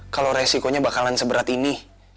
kalau resikonya bakalan seberat ini